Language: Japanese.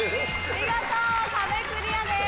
見事壁クリアです。